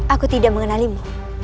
aku tidak mengenalimu